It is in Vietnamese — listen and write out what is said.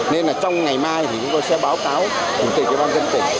nên là trong ngày mai thì chúng tôi sẽ báo cáo cùng tỉnh phòng dân tỉnh